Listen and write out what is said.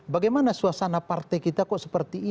bagaimana suasana partai kita kok seperti ini